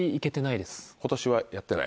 今年はやってない。